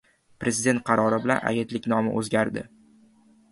Prezident qarori bilan agentlik nomi o‘zgardi